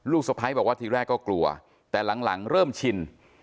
สะพ้ายบอกว่าทีแรกก็กลัวแต่หลังเริ่มชิน